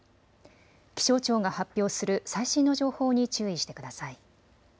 気象庁が発表する最新の情報に注意してください。